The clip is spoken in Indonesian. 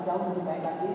jauh lebih baik lagi